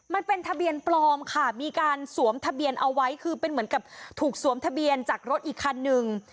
มันเป็นทะเบียนปลอมค่ะมีการสวมทะเบียนเอาไว้คือเป็นเหมือนกับถูกสวมทะเบียนจากรถอีกคันนึง